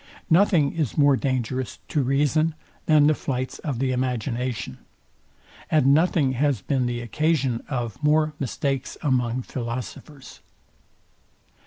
Nothing is more dangerous to reason than the flights of the imagination, and nothing has been the occasion of more mistakes among philosophers.